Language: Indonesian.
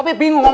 mami begini lagi